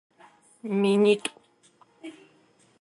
Минитӏу.